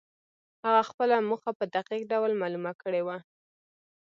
هغه خپله موخه په دقيق ډول معلومه کړې وه.